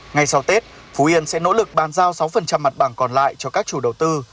ngày sau tết phú yên sẽ nỗ lực bàn giao sáu mặt bằng còn lại cho các chủ đầu tư